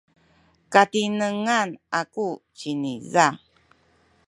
katinengan aku ciniza.